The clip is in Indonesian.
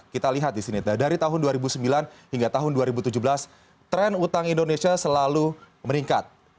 kita lihat di sini dari tahun dua ribu sembilan hingga tahun dua ribu tujuh belas tren utang indonesia selalu meningkat